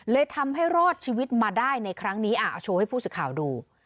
ทำให้รอดชีวิตมาได้ในครั้งนี้โชว์ให้ผู้สื่อข่าวดู